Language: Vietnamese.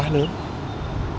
ô nhiễm không khí